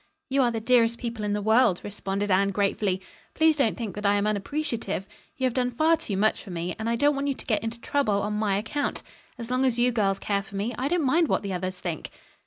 "You are the dearest people in the world," responded Anne gratefully. "Please don't think that I am unappreciative. You have done far too much for me, and I don't want you to get into trouble on my account. As long as you girls care for me, I don't mind what the others think."